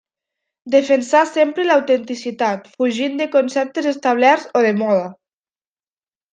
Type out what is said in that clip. Defensà sempre l'autenticitat, fugint de conceptes establerts o de moda.